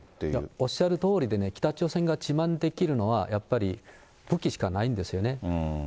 おっしゃるとおりでね、北朝鮮が自慢できるのは、やっぱり武器しかないんですよね。